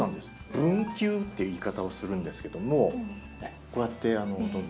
「分球」という言い方をするんですけどもこうやってどんどん増えていく。